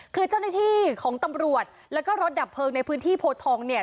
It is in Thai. คือเจ้าหน้าที่ของตำรวจแล้วก็รถดับเพลิงในพื้นที่โพทองเนี่ย